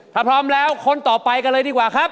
ถ้าพร้อมแล้วคนต่อไปกันเลยดีกว่าครับ